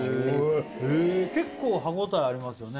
へえ結構歯応えありますよね